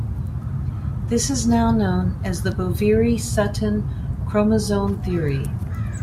This is now known as the Boveri-Sutton chromosome theory.